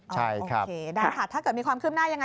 ใช่ครับโอเคได้ค่ะถ้าเกิดมีความขึ้นหน้ายังไง